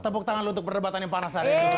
tepuk tangan untuk perdebatan yang panas hari ini